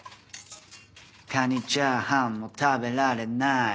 カニチャーハンも食べられない